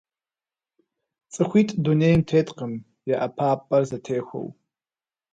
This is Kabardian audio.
Цӏыхуитӏ дунейм теткъым я ӏэпапӏэр зэтехуэу.